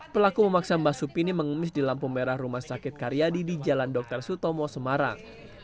pelaku memaksa mbak supini mengemis di lampu merah rumah sakit karyadi di jalan dr sutomo semarang